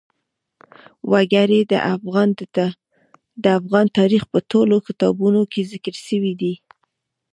وګړي د افغان تاریخ په ټولو کتابونو کې ذکر شوي دي.